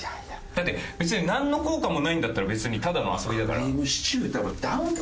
だって別になんの効果もないんだったら別にただの遊びだから。